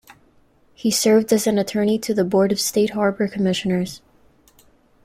He served as an attorney to the Board of State Harbor Commissioners.